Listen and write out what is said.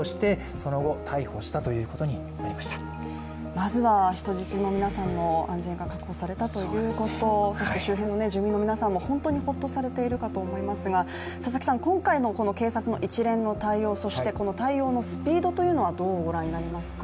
まずは人質の皆さんの安全が確保されたということそして周辺の住民の皆さんも本当にホッとされているかと思いますが今回の警察の一連の対応対応のスピードというのはどうご覧になりますか？